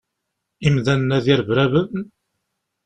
Imdanen-a d irebraben?